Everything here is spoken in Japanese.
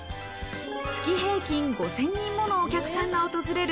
月平均５０００人ものお客さんが訪れる